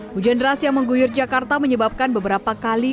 hujan deras yang mengguyur jakarta menyebabkan beberapa kali